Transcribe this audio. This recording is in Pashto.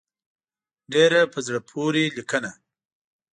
ډېره په زړه پورې لیکنه.